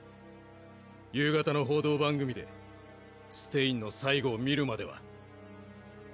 夕方の報道番組でステインの最後を見るまでは。